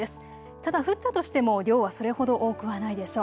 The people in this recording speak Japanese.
ただ降ったとしても量はそれほど多くはないでしょう。